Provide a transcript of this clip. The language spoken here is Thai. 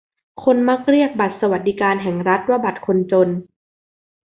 คนมักเรียกบัตรสวัสดิการแห่งรัฐว่าบัตรคนจน